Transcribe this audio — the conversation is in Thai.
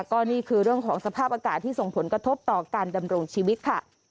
ก็นี่คือเรื่องของสภาพอากาศที่ส่งผลกระทบต่อการดำรงชีวิตค่ะ